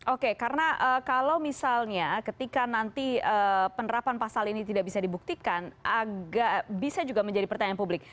oke karena kalau misalnya ketika nanti penerapan pasal ini tidak bisa dibuktikan agak bisa juga menjadi pertanyaan publik